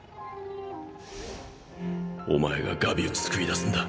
お前がガビを救い出すんだ。